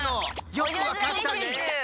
よくわかったね。